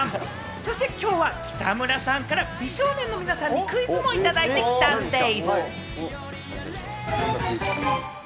そして今日は北村さんから美少年の皆さんにクイズをいただいてきたんでぃす！